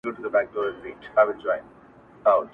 هم غریب دی هم رنځور دی هم ډنګر دی؛